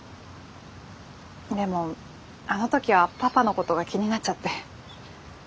でもあの時はパパのことが気になっちゃって。